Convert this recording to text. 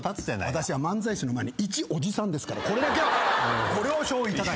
私は漫才師の前にいちおじさんですからこれだけはご了承いただきたい。